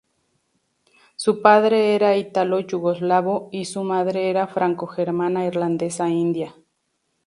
Su padre era italo-yugoslavo y su madre era franco-germana-irlandesa-india.